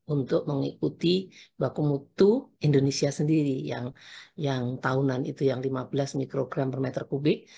untuk mengikuti baku mutu indonesia sendiri yang tahunan itu yang lima belas mikrogram per meter kubik